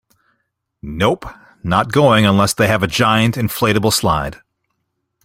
Nope, not going unless they have a giant inflatable slide.